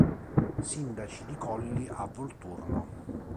Sindaci di Colli a Volturno